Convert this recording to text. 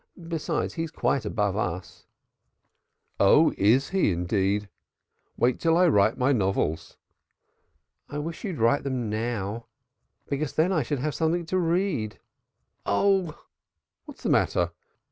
Besides, he's quite above us." "Oh, is he? Wait till I write my novels!" "I wish you'd write them now. Because then I should have something to read Oh!" "What's the matter?"